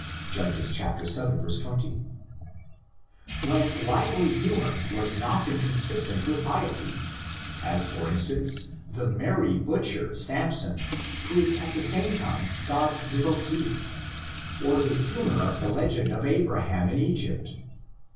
Judges vii. 20), when lively humor was not inconsistent with piety, as, for instance, the merry butcher Samson who is at the same time God's Tiazir (devotee), or the humor of the legend of Abraham in Egypt.